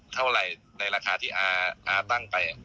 เท่าไหร่ในราคาที่อาตั้งไป